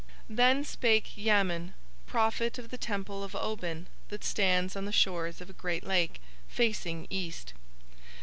Then spake Yamen, prophet of the Temple of Obin that stands on the shores of a great lake, facing east.